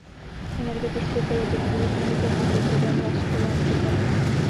Energetickou politiku, změny klimatu, problém zásobování potravinami.